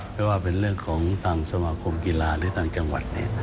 ไม่ว่าเป็นเรื่องของทางสมาคมกีฬาหรือทางจังหวัด